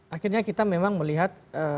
akhirnya kita memang melihat